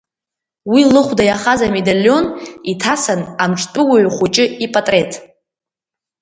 Уи лыхәда иахаз амедалион иҭасан Амҿтәы Уаҩхәыҷы ипатреҭ.